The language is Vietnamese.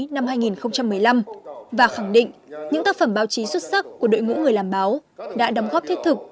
năm hai nghìn một mươi năm và khẳng định những tác phẩm báo chí xuất sắc của đội ngũ người làm báo đã đóng góp thiết thực